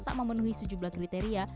tak memenuhi sejumlah kriteria